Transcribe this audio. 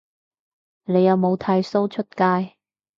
你有冇剃鬚出街